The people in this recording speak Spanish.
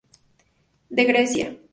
De Grecia.